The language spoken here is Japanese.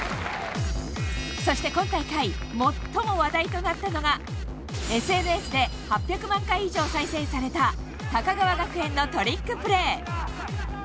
そして今大会最も話題となったのがＳＮＳで８００万回以上再生された高川学園のトリックプレー。